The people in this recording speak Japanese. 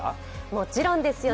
もちろんですよ。